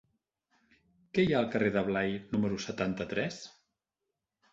Què hi ha al carrer de Blai número setanta-tres?